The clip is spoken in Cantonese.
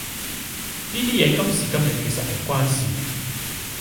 呢啲嘢今時今日其實唔關事